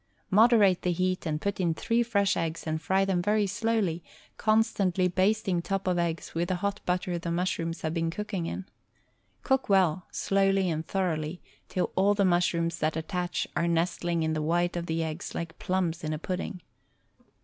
Moderate the heat and put in three fresh eggs and fry them very slowly, constantly basting top of eggs with the hot butter the mushrooms have been cooking in. Cook well, slowly and thoroughly till all the mushrooms that attach are nestling in the white of the eggs like plums in a pudding.